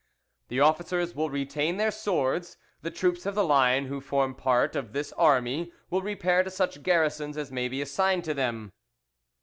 "The officers will retain their swords; the troops of the line who form part of this army will repair to such garrisons as may be assigned to them.